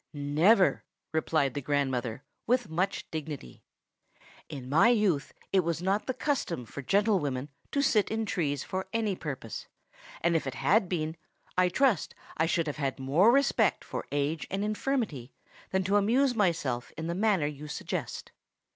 "Never!" replied the grandmother with much dignity. "In my youth it was not the custom for gentlewomen to sit in trees for any purpose; and if it had been, I trust I should have had more respect for age and infirmity than to amuse myself in the manner you suggest."